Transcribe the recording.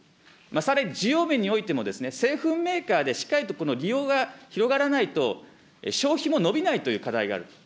さらに需要面においても、製粉メーカーでしっかりと利用が広がらないと、消費も伸びないという課題があると。